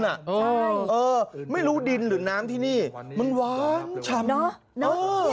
ใช่ไม่รู้ดินหรือน้ำที่นี่มันหวานชำ